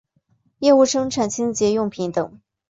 业务生产清洁用品等。